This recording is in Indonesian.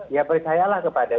ya percayalah kepada